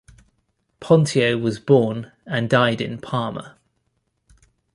Pontio was born and died in Parma.